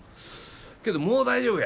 けどもう大丈夫や。